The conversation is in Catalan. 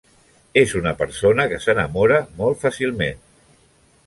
És una persona que s'enamora molt fàcilment.